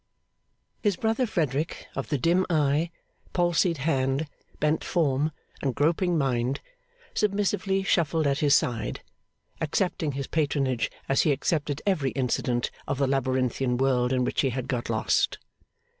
His brother Frederick of the dim eye, palsied hand, bent form, and groping mind, submissively shuffled at his side, accepting his patronage as he accepted every incident of the labyrinthian world in which he had got lost.